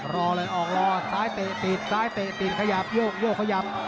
รอเลยออกรอซ้ายเตะติดซ้ายเตะติดขยับโยกโยกขยับ